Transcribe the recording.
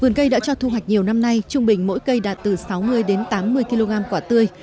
vườn cây đã cho thu hoạch nhiều năm nay trung bình mỗi cây đạt từ sáu mươi đến tám mươi kg quả tươi